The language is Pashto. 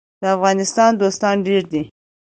د افغانستان دوستان ډیر دي